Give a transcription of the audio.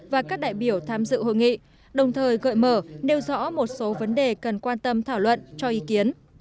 và các đại biểu tham dự hội nghị đồng thời gợi mở nêu rõ một số vấn đề cần quan tâm thảo luận cho ý kiến